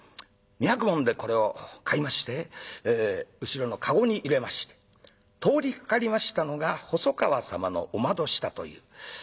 ２百文でこれを買いまして後ろの籠に入れまして通りかかりましたのが細川様のお窓下という。